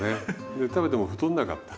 で食べても太んなかった。